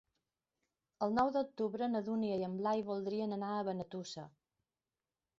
El nou d'octubre na Dúnia i en Blai voldrien anar a Benetússer.